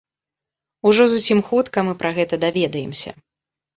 Ужо зусім хутка мы пра гэта даведаемся.